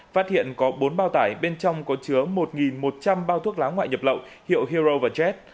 phát hiện có bốn bao tải bên trong có chứa một một trăm linh bao thuốc lá ngoại nhập lậu hiệu hero và jet